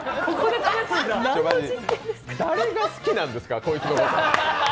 マジ誰が好きなんですか、こいつのこと。